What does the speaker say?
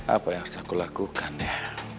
apa yang harus aku lakukan ya